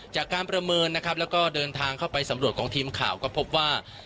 จากการประเมินนะครับแล้วก็เดินทางเข้าไปสำรวจของทีมข่าวก็พบว่า